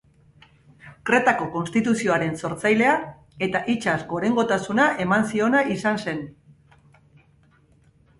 Kretako konstituzioaren sortzailea eta itsas gorengotasuna eman ziona izan zen.